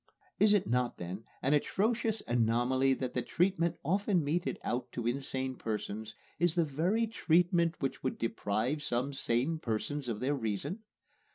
Is it not, then, an atrocious anomaly that the treatment often meted out to insane persons is the very treatment which would deprive some sane persons of their reason?